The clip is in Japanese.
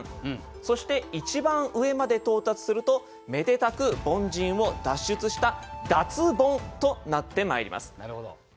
そして一番上まで到達するとめでたく凡人を脱出した脱ボンとなってまいります。